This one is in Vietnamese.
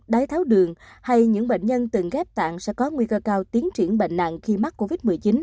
đái tháo đường hay những bệnh nhân từng ghép tạng sẽ có nguy cơ cao tiến triển bệnh nặng khi mắc covid một mươi chín